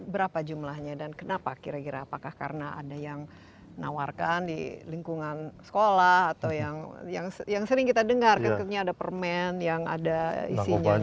berapa jumlahnya dan kenapa kira kira apakah karena ada yang nawarkan di lingkungan sekolah atau yang sering kita dengar kan katanya ada permen yang ada isinya